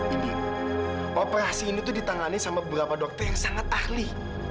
ini operasi ini tuh ditangani sama beberapa dokter yang sangat ahli